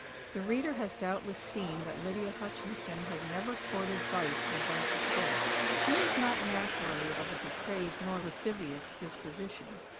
The reader has doubtless seen that Lydia Hutchinson had never courted vice for vice's sake. She was not naturally of a depraved nor lascivious disposition.